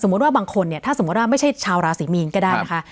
ว่าบางคนเนี่ยถ้าสมมุติว่าไม่ใช่ชาวราศีมีนก็ได้นะคะ